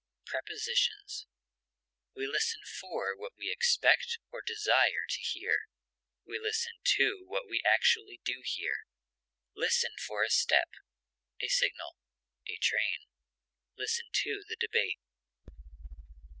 Prepositions: We listen for what we expect or desire to hear; we listen to what we actually do hear; listen for a step, a signal, a train; listen to the debate.